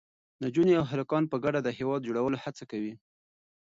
نجونې او هلکان په ګډه د هېواد د جوړولو هڅه کوي.